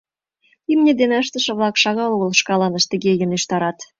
Имне дене ыштыше-влак шагал огыл шканышт тыге йӧнештарат.